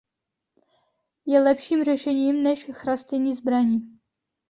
Je lepším řešením než chrastění zbraní.